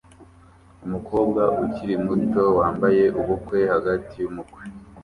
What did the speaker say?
Umukobwa ukiri muto wambaye ubukwe hagati yumukwe